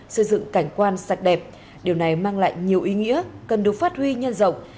xây dựng cảnh quan sạch đẹp điều này mang lại nhiều ý nghĩa cần được phát huy nhân rộng